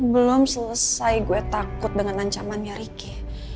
belum selesai gue takut dengan ancamannya rike